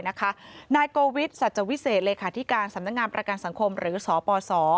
นายโกวิทย์สัจวิเศษเลขาธิการสำนักงานประกันสังคมหรือสปส